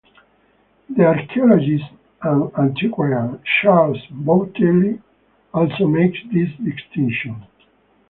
The archaeologist and antiquarian Charles Boutell also makes this distinction.